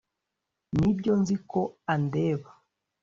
nibyo, nzi ko andeba